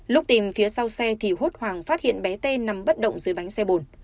lúc tìm phía sau xe thì hốt hoàng phát hiện bé t nằm bất động dưới bánh xe bồn